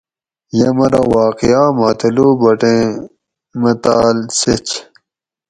یمرو واقعا ماتلوُبٹ ایں متاۤل سیچ